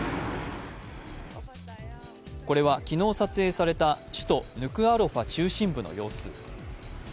これは昨日撮影された首都ヌクアロファ中心部の様子。